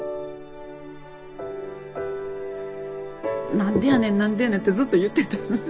なんでやねんなんでやねんってずっと言ってたのね。